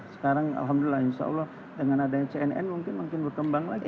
sekarang alhamdulillah insya allah dengan adanya cnn mungkin makin berkembang lagi